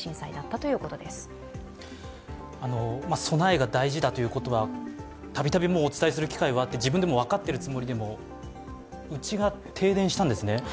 備えが大事だということは、たびたびお伝えする機会があって自分でも分かっているつもりでも、うちが停電したんですね。